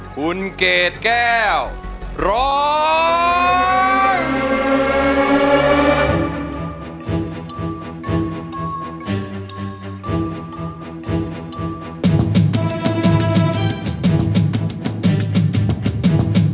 คุณเกดแก้วร้อง